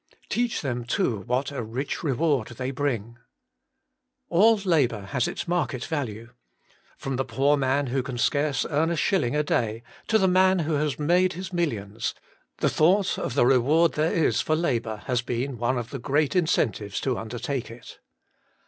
Teach them, too, what a rich rezvard they bring. All labour has its market value. From the poor man who scarce can earn a shilling a day, to the m.an who has made his millions, the thought of the reward there is for labour has been one of the great incentives to undertake it.